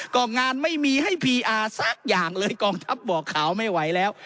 ก็งานไม่มีให้พีอาร์สักอย่างเลยกองทัพบอกขาวไม่ไหวแล้ว